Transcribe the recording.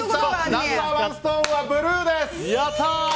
ナンバー１ストーンはブルーです。